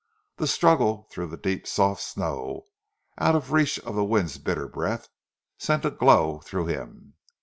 The struggle through the deep soft snow, out of reach of the wind's bitter breath, sent a glow through him.